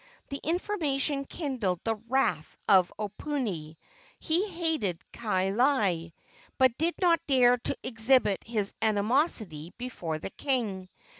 The information kindled the wrath of Oponui. He hated Kaaialii, but did not dare to exhibit his animosity before the king.